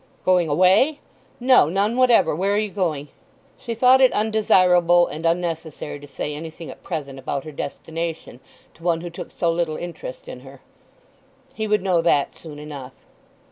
"Going away! No—none whatever. Where are you going?" She thought it undesirable and unnecessary to say anything at present about her destination to one who took so little interest in her. He would know that soon enough.